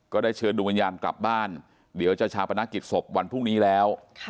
ได้เชิญดวงวิญญาณกลับบ้านเดี๋ยวจะชาปนกิจศพวันพรุ่งนี้แล้ว